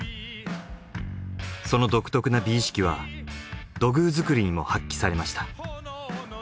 その独特な美意識は土偶作りにも発揮されました。